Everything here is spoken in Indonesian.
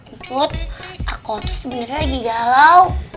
ikut aku tuh sebenarnya lagi galau